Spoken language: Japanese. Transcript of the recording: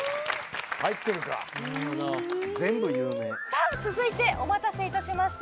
さあ続いてお待たせいたしました。